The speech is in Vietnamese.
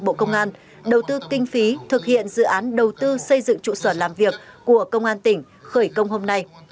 bộ công an đầu tư kinh phí thực hiện dự án đầu tư xây dựng trụ sở làm việc của công an tỉnh khởi công hôm nay